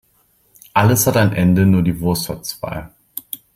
Alles hat ein Ende, nur die Wurst hat zwei.